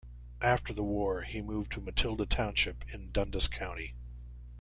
After the war, he moved to Matilda Township in Dundas County.